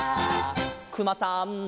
「くまさんの」